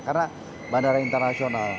karena bandara internasional